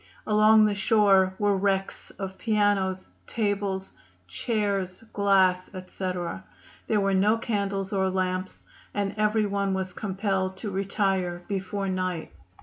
Along the shore were wrecks of pianos, tables, chairs, glass, etc. There were no candles or lamps, and every one was compelled to retire before night."